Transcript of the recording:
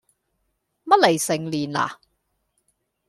冇嚟成年喇